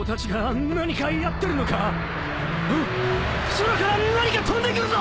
空から何か飛んでくるぞ！